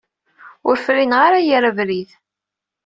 Ur frineɣ ara yir abrid.